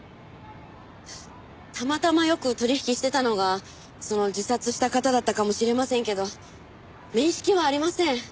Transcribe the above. たまたまよく取引してたのがその自殺した方だったかもしれませんけど面識はありません。